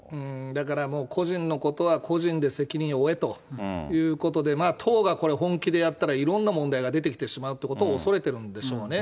だから、もう個人のことは個人で責任を負えということで、党がこれ、本気でやったらいろんな問題が出てきてしまうということを恐れてるんでしょうね。